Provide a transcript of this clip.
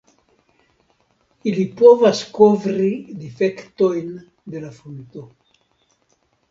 Ili povas kovri difektojn de la frunto.